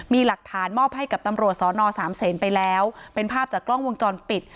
มีหลักฐานมอบให้กับตำรวจสอนอสามเศษไปแล้วเป็นภาพจากกล้องวงจรปิด